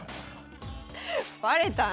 バレたな。